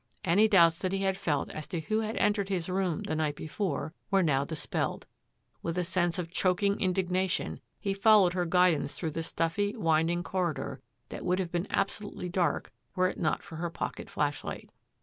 Any doubts that he had felt as to who had entered his room the night be fore were now dispelled. With a sense of chok ing indignation he followed her guidance through the stuffy, winding corridor that would have been absolutely dark were it not for her pocket flash light.